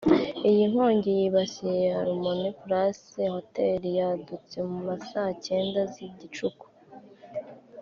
Iyi nkongi yibasiwe Harmony Palace hoteli yadutse mu ma saa cyenda z’igicuku